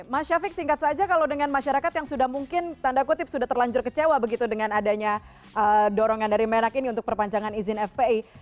mas syafiq singkat saja kalau dengan masyarakat yang sudah mungkin tanda kutip sudah terlanjur kecewa begitu dengan adanya dorongan dari menak ini untuk perpanjangan izin fpi